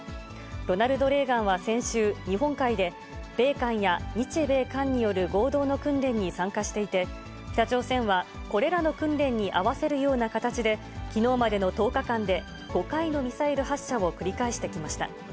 ロナルド・レーガンは先週、日本海で米韓や日米韓による合同の訓練に参加していて、北朝鮮はこれらの訓練に合わせるような形で、きのうまでの１０日間で５回のミサイル発射を繰り返してきました。